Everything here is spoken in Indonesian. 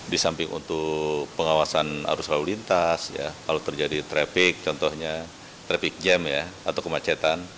disamping untuk pengawasan arus lalu lintas kalau terjadi trafik contohnya trafik jam atau kemacetan